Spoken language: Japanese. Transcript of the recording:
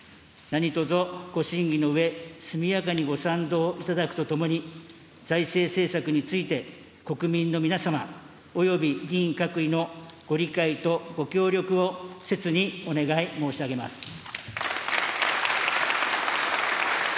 何とぞ、ご審議のうえ、速やかにご賛同いただくとともに、財政政策について、国民の皆様および議員各位のご理解とご協力をせつにお願い申し上げます。